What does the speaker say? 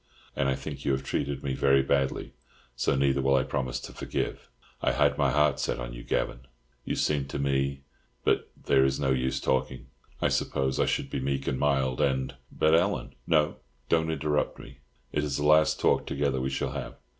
And I think you have treated me very badly, so neither will I promise to forgive. I had set my heart on you, Gavan. You seemed to me—but there, it's no use talking. I suppose I should be meek and mild, and—" "But, Ellen—" "No, don't interrupt me. It is the last talk together we shall have.